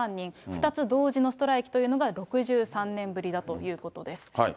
２つ同時のストライキというのが６３年ぶりだということです。